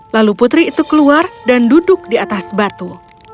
lalu putri itu keluar dan duduk di atas batu